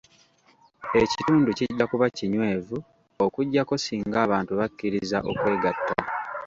Ekitundu kijja kuba kinywevu okuggyako singa abantu bakiriza okwegatta.